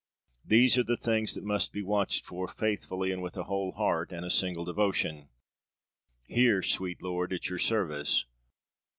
These are the things that must be watched for faithfully and with a whole heart and a single devotion: 'Here, sweet lord, at your service!'